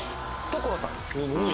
所さん。